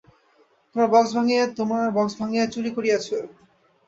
তোমার বাক্স ভাঙিয়া চুরি করিয়াছে?